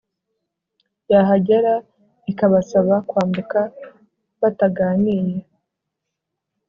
yahagera ikabasaba kwambuka bataganiye